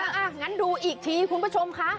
อ่ะงั้นดูอีกทีคุณผู้ชมค่ะ